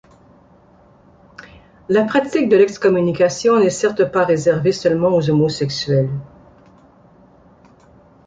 La pratique de l'excommunication n'est certes pas réservée seulement aux homosexuels.